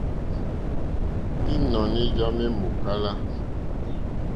Ínɔ̀ní já má èmòkála.